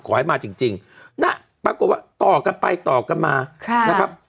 ขอให้มาจริงนะปรากฏว่าต่อกันไปต่อกันมานะครับ